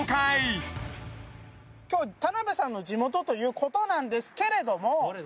今日田辺さんの地元ということなんですけれども。